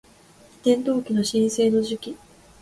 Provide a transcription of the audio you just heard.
移転登記の申請の時期